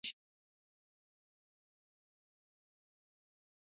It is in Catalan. "Freedom Force" va tenir una seqüela, "Freedom Force versus the Third Reich".